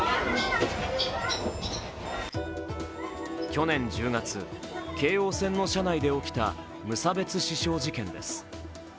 去年１０月、京王線の車内で起きた無差別刺殺事件です。